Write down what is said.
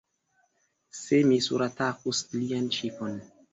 Se mi suratakus lian ŝipon!